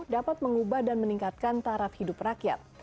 dapat mengubah dan meningkatkan taraf hidup rakyat